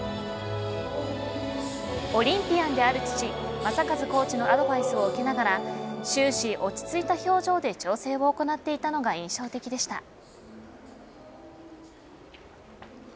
オリンピアンである父、正和コーチのアドバイスを受けながら終始、落ち着いた表情で調整を行っていたのが印象的でした。